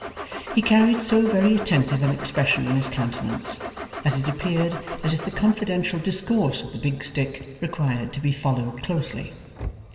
He carried so very attentive an expression on his countenance that it appeared as if the confidential discourse of the big stick required to be followed closely.